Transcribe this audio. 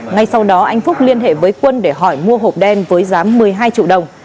ngay sau đó anh phúc liên hệ với quân để hỏi mua hộp đen với giá một mươi hai triệu đồng